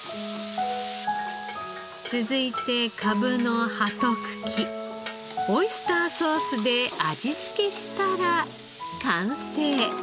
続いてかぶの葉と茎オイスターソースで味付けしたら完成。